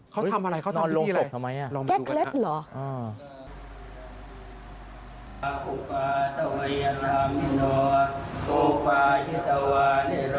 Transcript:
เขาทำอะไรเขาทำพิธีอะไรลองไปดูกันนะครับนอนโรงศพทำไม